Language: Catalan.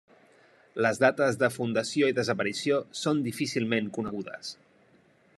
Les dates de fundació i desaparició són difícilment conegudes.